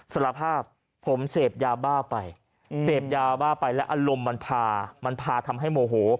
สละภาพผมเสพยาบ้าไปและอารมณ์มันพาทำให้โมโห